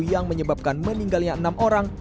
yang menyebabkan meninggalnya enam orang